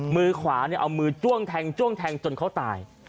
มือขวาเอามือจ้วงแทงจ้วงแทงจนเขาตาย